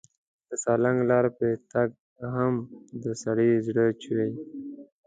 د سالنګ لار پرې تګ هم د سړي زړه چوي.